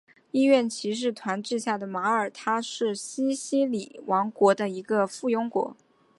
医院骑士团治下的马耳他是西西里王国的一个附庸国。